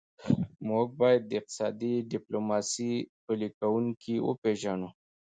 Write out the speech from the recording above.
موږ باید د اقتصادي ډیپلوماسي پلي کوونکي وپېژنو